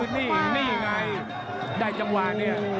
นี่นี่ไงได้จังหวะเนี่ย